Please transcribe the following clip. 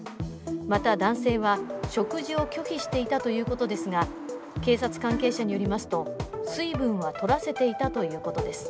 また、男性は食事を拒否していたということですが、警察関係者によりますと、水分は取らせていたということです。